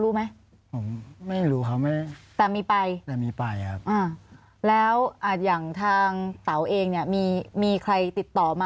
เพื่อนเล่าให้ฟังไหม